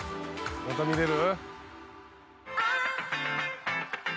また見れる？